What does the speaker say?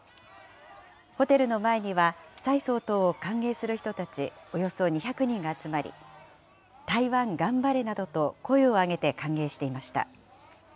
ホテルの前には、蔡総統を歓迎する人たちおよそ２００人が集まり、台湾頑張れなどと声を上げて歓迎していました。